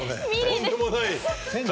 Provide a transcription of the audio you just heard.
とんでもない数。